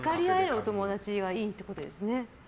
お友達がいいってことですね。